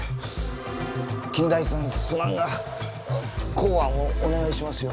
金田一さんすまんが幸庵をお願いしますよ。